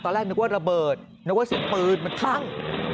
แรกนึกว่าระเบิดนึกว่าเสียงปืนมันคลั่ง